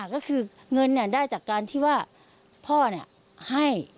ก็คือเงินเนี่ยได้จากการที่ว่าพ่อเนี่ยให้